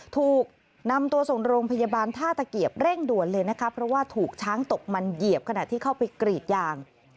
ถูกนำตัวส่งโรงพยาบาลท่าตะเกียบเร่งด่วนเลยนะคะเพราะว่าถูกช้างตกมันเหยียบขณะที่เข้าไปกรีดยาง